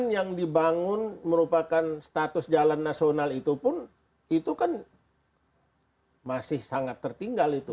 yang dibangun merupakan status jalan nasional itu pun itu kan masih sangat tertinggal itu